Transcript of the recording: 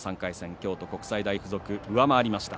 京都国際、上回りました。